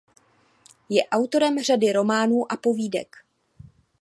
Je autorem řady románů a povídek.